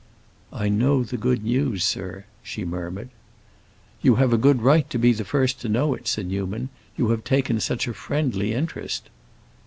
"I know the good news, sir," she murmured. "You have a good right to be first to know it," said Newman. "You have taken such a friendly interest."